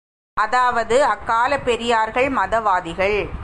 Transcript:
அதாவது அக்காலப் பெரியார்கள் மதவாதிகள்!